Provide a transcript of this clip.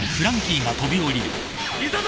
いたぞ！